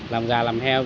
làm gà làm heo